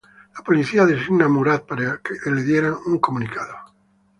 La policía designa Murat para que le dieran un comunicado.